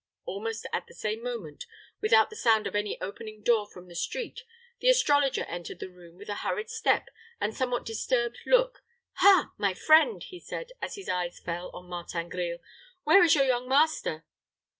Almost at the same moment, without the sound of any opening door from the street, the astrologer entered the room with a hurried step and somewhat disturbed look. "Ha! my friend," he said, as his eyes fell on Martin Grille. "Where is your young master?"